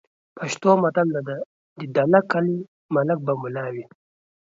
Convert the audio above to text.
پښتو متل: "د دله کلي ملک به مُلا وي"